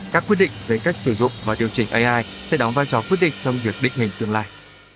các quyết định về cách sử dụng và điều chỉnh ai sẽ đóng vai trò quyết định trong việc định hình tương lai